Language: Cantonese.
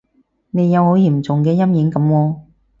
你有好嚴重嘅陰影噉喎